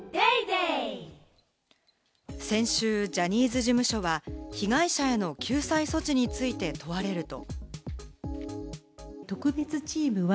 先週、ジャニーズ事務所は、被害者への救済措置について問われると。